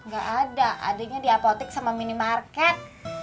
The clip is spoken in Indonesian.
gak ada adiknya di apotek sama minimarket